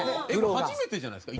初めてじゃないですか？